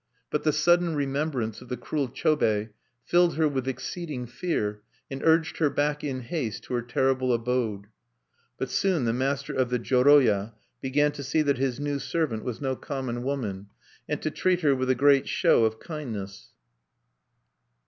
But the sudden remembrance of the cruel Chobei filled her with exceeding fear, and urged her back in haste to her terrible abode. But soon the master of the joroya began to see that his new servant was no common woman, and to treat her with a great show of kindness.